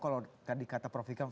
kalau tadi kata prof ikam